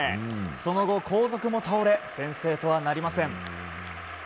その後、後続も倒れ先制とはなりません。